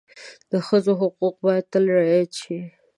د ښځو حقوق باید تل رعایت شي.